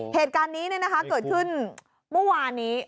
เหตุการณ์นี้เนี่ยนะคะเกิดขึ้นเมื่อวานนี้